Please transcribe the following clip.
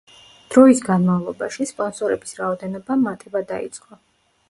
დროის განმავლობაში, სპონსორების რაოდენობამ მატება დაიწყო.